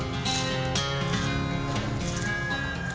jadi kita bisa makan di rumah